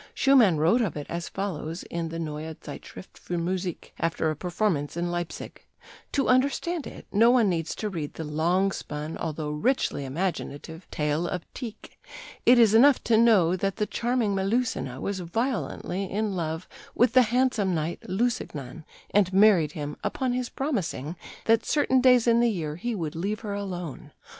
Schumann wrote of it as follows in the Neue Zeitschrift für Musik, after a performance in Leipsic: "To understand it, no one needs to read the longspun, although richly imaginative, tale of Tieck; it is enough to know that the charming Melusina was violently in love with the handsome knight Lusignan, and married him upon his promising that certain days in the year he would leave her alone.